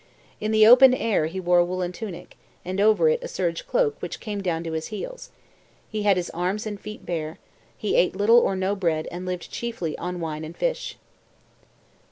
In the open air he wore a woollen tunic, and over it a serge cloak which came down to his heels; he had his arms and feet bare; he ate little or no bread, and lived chiefly on wine and fish."